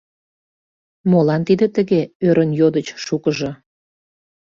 — Молан тиде тыге? — ӧрын йодыч шукыжо.